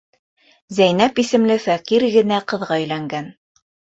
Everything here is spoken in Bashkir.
Зәйнәп исемле фәҡир генә ҡыҙға өйләнгән.